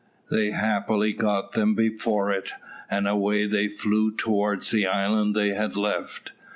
They happily got them before it, and away they flew towards the island they had left.